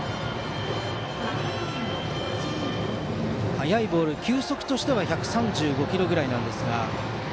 速いボールは球速としては１３５キロぐらいなんですが。